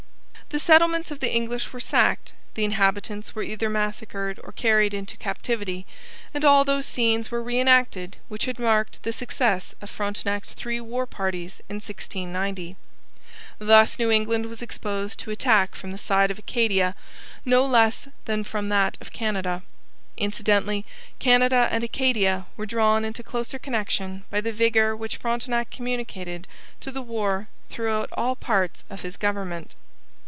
The settlements of the English were sacked, the inhabitants were either massacred or carried into captivity, and all those scenes were re enacted which had marked the success of Frontenac's three war parties in 1690. Thus New England was exposed to attack from the side of Acadia no less than from that of Canada. Incidentally Canada and Acadia were drawn into closer connection by the vigour which Frontenac communicated to the war throughout all parts of his government.